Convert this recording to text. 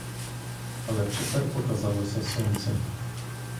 Але в четвер показалося сонце.